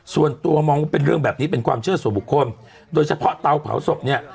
ส่วนตัวมองว่าเป็นเรื่องแบบนี้เป็นความเชื่อส่วนบุคคลโดยเฉพาะเตาเผาศพเนี่ย